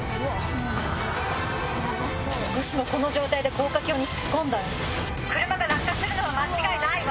もしもこの状態で高架橋に突っ込んだら車が落下するのは間違いないわ。